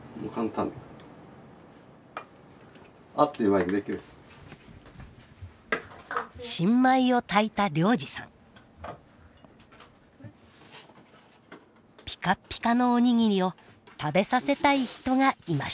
ピカッピカのお握りを食べさせたい人がいました。